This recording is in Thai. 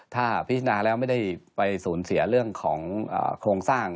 ถ้าพิจารณาแล้วไม่ได้ไปสูญเสียเรื่องของโครงสร้าง